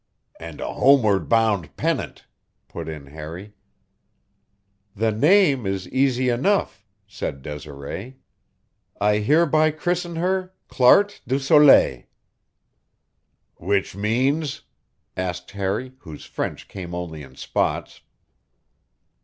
"And a homeward bound pennant," put in Harry. "The name is easy enough," said Desiree. "I hereby christen her Clarte du Soleil." "Which means?" asked Harry, whose French came only in spots.